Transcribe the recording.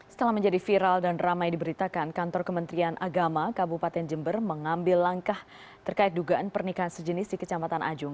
setelah menjadi viral dan ramai diberitakan kantor kementerian agama kabupaten jember mengambil langkah terkait dugaan pernikahan sejenis di kecamatan ajung